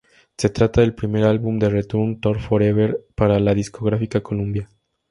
Se trata del primer álbum de Return to Forever para la discográfica Columbia.